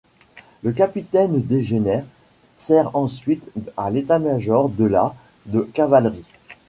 Le capitaine Degener sert ensuite à l’État-major de la de cavalerie.